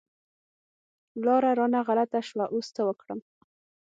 لاره رانه غلطه شوه، اوس څه وکړم؟